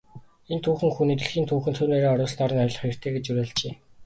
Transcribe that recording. Энэ түүхэн хүнийг дэлхийн түүхэнд хувь нэмрээ оруулснаар нь ойлгох хэрэгтэй гэж уриалжээ.